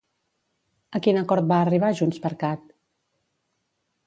A quin acord va arribar JxCat?